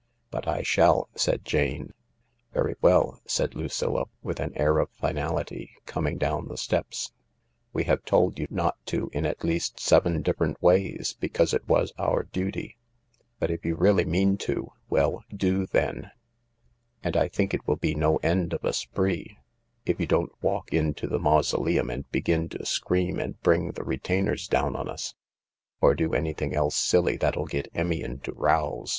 "But I shall," said Jane. "Very well," said Lucilla with an air of finality, coming down the steps ;" we have told you not to in at least seven different ways, because it was our duty, but if you really mean to— well, do, then 1 And I think it will be no end of a spree— if you don't walk into the mausoleum and begin to scream and bring the retainers down on us, or do anything else silly that'll get Emmy into rows."